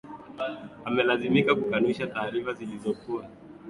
amelazimika kukanusha taarifa zilizokuwa zinamhuzisha yeye na kujiuzulu